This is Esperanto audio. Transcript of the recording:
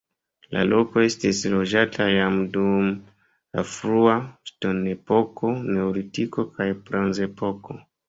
La loko estis loĝata jam dum la frua ŝtonepoko, neolitiko kaj bronzepoko.